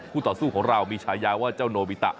ต่อสู้ของเรามีฉายาว่าเจ้าโนบิตะ